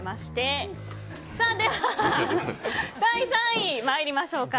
第３位、まいりましょう。